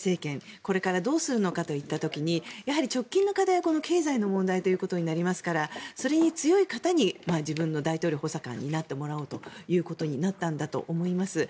これからどうするのかといった時に、直近の課題は経済の問題ということになりますから、それに強い方に自分の大統領補佐官になってもらおうということになったんだと思います。